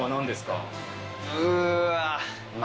うわ。